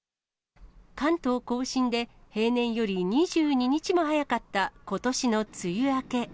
関東甲信で平年より２２日も早かったことしの梅雨明け。